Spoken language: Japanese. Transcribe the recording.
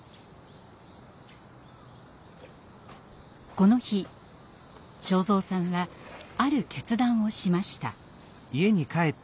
この日正三さんはある決断をしました。